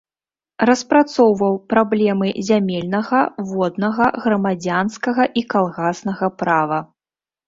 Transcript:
Распрацоўваў праблемы зямельнага, воднага, грамадзянскага і калгаснага права.